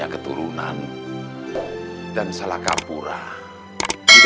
kau jangan khawatir